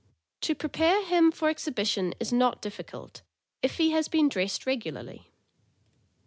To prepare him for exhibition is not difficult, if he has been dressed regularly.